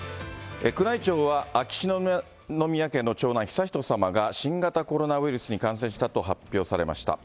宮内庁は秋篠宮家の長男、悠仁さまが新型コロナウイルスに感染したと発表されました。